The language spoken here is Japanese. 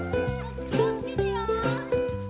・気を付けてよ。